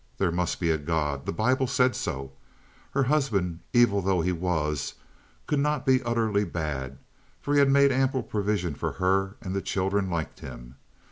There must be a God. The Bible said so. Her husband, evil though he was, could not be utterly bad, for he had made ample provision for her, and the children liked him.